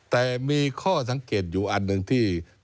แต่มีข้อสังเกตอยู่อันหนึ่งที่